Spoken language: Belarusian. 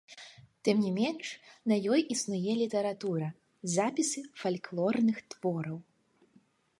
Тым не менш, на ёй існуе літаратура, запісы фальклорных твораў.